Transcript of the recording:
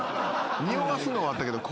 におわすのはあったけど。